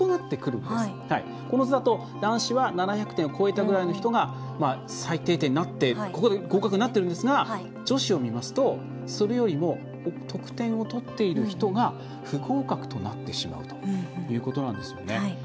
この図だと男子は７００点超えたぐらいの人が最低点になって合格になっているんですが女子を見ますと、それよりも得点をとっている人が不合格となってしまうということなんですよね。